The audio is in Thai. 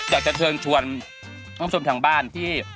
อยากจะเชิญชวนคุณผู้ชมทางบ้านที่